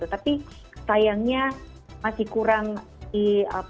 tapi sayangnya masih kurang predilose voi di tv